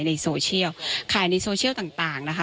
ในโซเชียลขายในโซเชียลต่างนะคะ